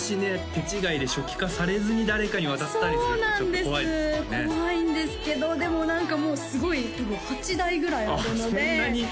手違いで初期化されずに誰かに渡ったりするとちょっと怖いですもんね怖いんですけどでも何かもうすごい多分８台ぐらいあるのでそんなに？